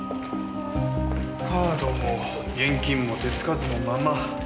カードも現金も手つかずのまま。